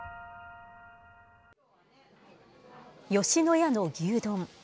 吉野家の牛丼。